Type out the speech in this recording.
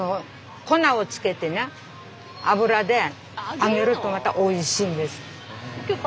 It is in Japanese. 粉をつけてな油で揚げるとまたおいしいんです。